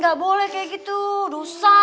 gak boleh kayak gitu dosa